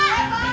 terima kasih bu